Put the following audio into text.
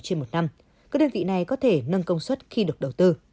các đơn vị này có thể nâng công suất khi được đầu tư